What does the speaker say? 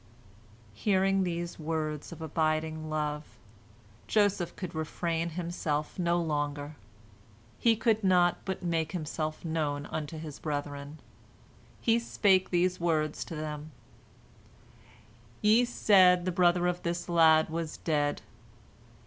Hearing these words of abiding love, Joseph could refrain himself no longer. He could not but make himself known unto his brethren. He spake these words to them: "Ye said the brother of this lad was dead.